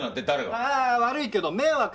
ああ悪いけど迷惑！